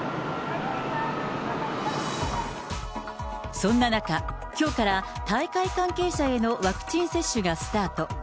そんな中、きょうから大会関係者へのワクチン接種がスタート。